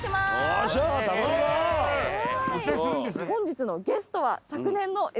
本日のゲストは昨年の。